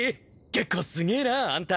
結構すげえなあんた。